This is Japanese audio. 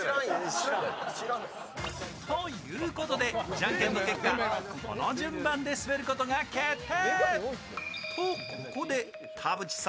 じゃんけんの結果、この順番で滑ることが決定。